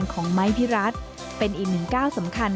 ของไม้พิรัตน์เป็นอีกหนึ่งก้าวสำคัญ